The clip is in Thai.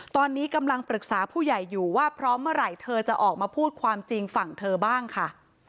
ตอนนี้กำลังปรึกษาผู้ใหญ่อยู่ว่าพร้อมเมื่อไหร่เธอจะออกมาพูดความจริงฝั่งเธอบ้างค่ะ